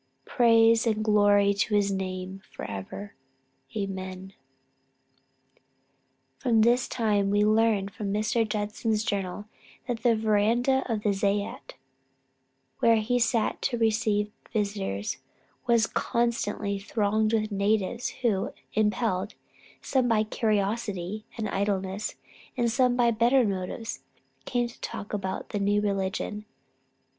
Praise and glory to his name for evermore. Amen." From this time we learn from Mr. Judson's journal, that the verandah of the zayat where he sat to receive visitors, was constantly thronged with natives, who, impelled, some by curiosity and idleness, and some by better motives, came to talk about the new religion.